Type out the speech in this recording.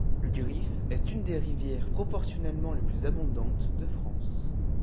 Le Giffre est une des rivières proportionnellement les plus abondantes de France.